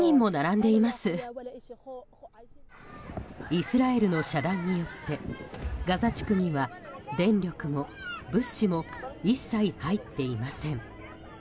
イスラエルの遮断によってガザ地区には電力も物資も一切入っていません。